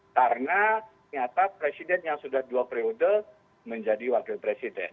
karena nyata presiden yang sudah dua periode menjadi wakil presiden